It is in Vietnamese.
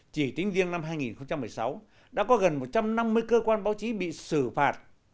chỉ tính riêng năm hai nghìn một mươi sáu đã có gần một trăm năm mươi cơ quan báo chí bị xử phạt